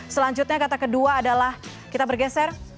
selanjutnya kata kedua adalah kita bergeser